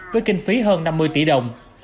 với kinh phí hơn năm mươi tỷ đồng